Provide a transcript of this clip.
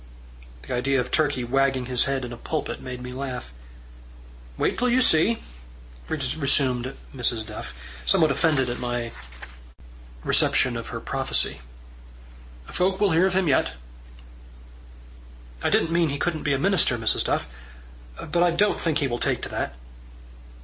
The idea of Turkey wagging his head in a pulpit made me laugh. "Wait till you see," resumed Mrs. Duff, somewhat offended at my reception of her prophecy. "Folk will hear of him yet." "I didn't mean he couldn't be a minister, Mrs. Duff. But I don't think he will take to that."